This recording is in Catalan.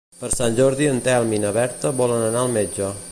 Per Sant Jordi en Telm i na Berta volen anar al metge.